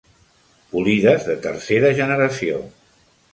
Polides de tercera generació.